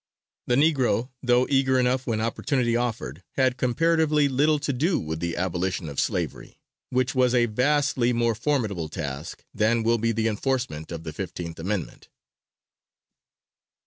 The Negro, though eager enough when opportunity offered, had comparatively little to do with the abolition of slavery, which was a vastly more formidable task than will be the enforcement of the Fifteenth Amendment.